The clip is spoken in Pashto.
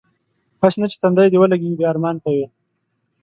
هسې نه چې تندی دې ولږي بیا ارمان کوې.